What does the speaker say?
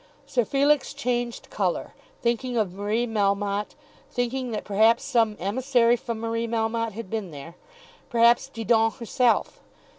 Sir Felix changed colour, thinking of Marie Melmotte, thinking that perhaps some emissary from Marie Melmotte had been there; perhaps Didon herself.